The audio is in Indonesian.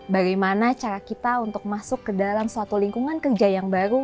bagaimana cara kita untuk masuk ke dalam suatu lingkungan kerja yang baru